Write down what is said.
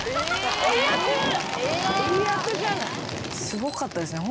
すごかったですね。